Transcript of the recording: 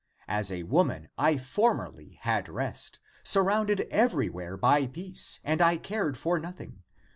As a wo man I formerly had rest, surrounded everywhere by peace, [and I cared for nothing].